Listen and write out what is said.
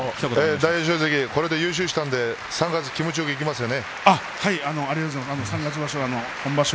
大栄翔関、これで優勝したので３月、気持ちよくいけますよね。